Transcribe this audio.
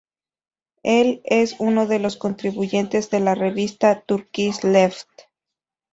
Él es uno de los contribuyentes de la revista Turkish Left.